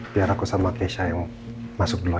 biar aku sama keisha yang masuk duluan ya